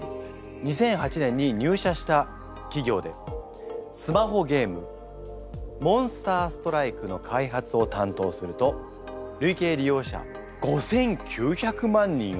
２００８年に入社した企業でスマホゲーム「モンスターストライク」の開発を担当すると累計利用者５，９００万人を突破する大ヒットを記録。